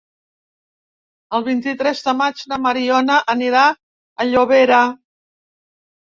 El vint-i-tres de maig na Mariona anirà a Llobera.